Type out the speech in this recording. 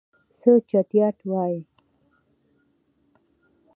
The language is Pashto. څه چټياټ وايي.